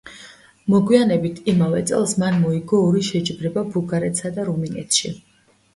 მოგვიანებით, იმავე წელს, მან მოიგო ორი შეჯიბრება ბულგარეთსა და რუმინეთში.